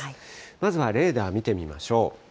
まずはレーダー見てみましょう。